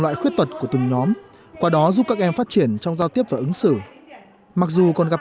loại khuyết tật của từng nhóm qua đó giúp các em phát triển trong giao tiếp và ứng xử mặc dù còn gặp